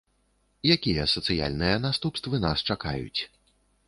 Якія сацыяльныя наступствы нас чакаюць?